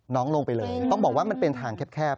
ลงไปเลยต้องบอกว่ามันเป็นทางแคบ